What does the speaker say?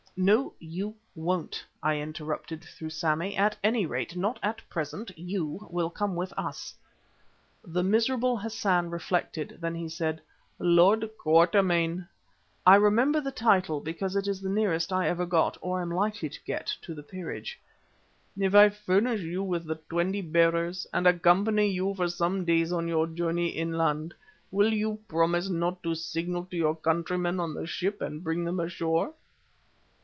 "No, you won't," I interrupted, through Sammy; "at any rate, not at present. You will come with us." The miserable Hassan reflected, then he asked: "Lord Quatermain" (I remember the title, because it is the nearest I ever got, or am likely to get, to the peerage), "if I furnish you with the twenty bearers and accompany you for some days on your journey inland, will you promise not to signal to your countrymen on the ship and bring them ashore?"